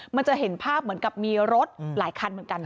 มันจะเห็นภาพเหมือนกับมีรถหลายคันเหมือนกัน